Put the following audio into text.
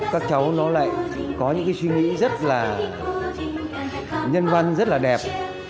các cháu nó lại có những cái suy nghĩ rất là nhân văn rất là đẹp